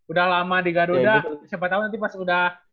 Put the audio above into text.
udah lama di garuda siapa tahu nanti pas udah